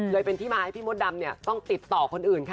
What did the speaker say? เลยเป็นที่มาให้พี่มดดำติดต่อคนอื่นค่ะ